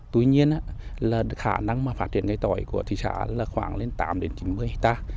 tuy nhiên là khả năng phát triển cây tỏi của thị xã là khoảng lên tám chín mươi ha